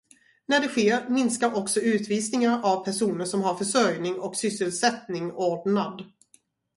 När det sker minskar också utvisningar av personer som har försörjning och sysselsättning ordnad.